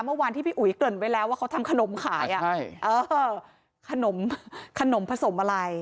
เมื่อวานที่พี่อุ๋ยเกิดไปแล้วว่าเขาทำขนมขายขนมผสมอะไร